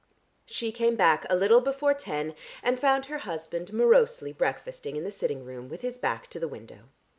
She came back a little before ten, and found her husband morosely breakfasting in the sitting room, with his back to the window.